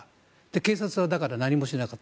警察は何もしなかった。